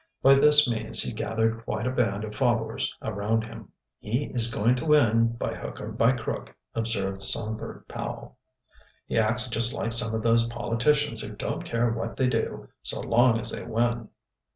By this means he gathered quite a band of followers around him. "He is going to win, by hook or by crook," observed Songbird Powell. "He acts just like some of those politicians who don't care what they do so long as they win."